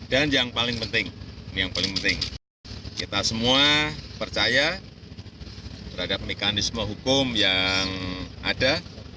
dan yang paling penting ini yang paling penting kita semua percaya terhadap mekanisme hukum yang ada